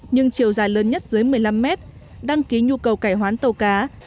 nhưng chiều dài lớn nhất dưới một mươi năm mét đăng ký nhu cầu cải hoán tàu cá